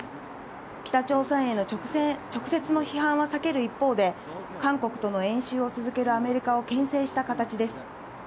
北朝鮮への直接の批判は避ける一方で、韓国との演習を続けるアメリカをけん制した形です。